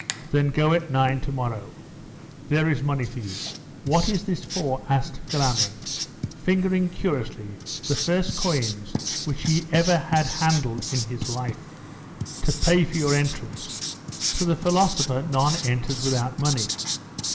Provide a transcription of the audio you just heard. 'Then go at nine to morrow. There is money for you.' 'What is this for?' asked Philammon, fingering curiously the first coins which he ever had handled in his life. 'To pay for your entrance. To the philosopher none enters without money.